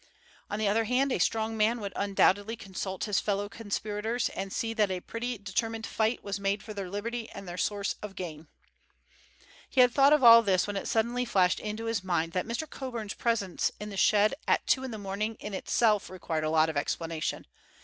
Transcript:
On the other hand, a strong man would undoubtedly consult his fellow conspirators and see that a pretty determined fight was made for their liberty and their source of gain. He had thought of all this when it suddenly flashed into his mind that Mr. Coburn's presence in the shed at two in the morning in itself required a lot of explanation.